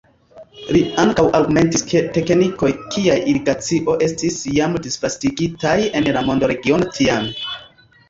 Li ankaŭ argumentis ke teknikoj kiaj irigacio estis jam disvastigitaj en la mondoregiono tiame.